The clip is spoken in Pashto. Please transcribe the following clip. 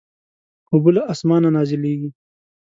اوبه له اسمانه نازلېږي.